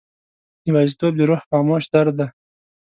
یوازیتوب د روح خاموش درد دی.